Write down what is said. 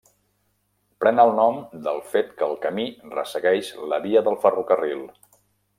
Pren el nom del fet que el camí ressegueix la via del ferrocarril.